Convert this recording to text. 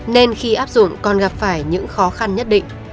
nên khi áp dụng còn gặp phải những khó khăn nhất định